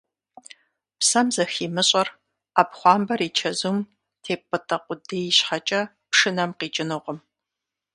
Псэм зыхимыщӀэр, Ӏэпхъуамбэр и чэзум теппӀытӀэ къудей щхьэкӀэ, пшынэм къикӀынукъым.